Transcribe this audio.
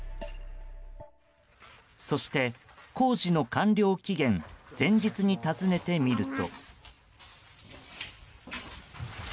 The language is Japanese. そして工事の完了期限前日に訪ねてみると。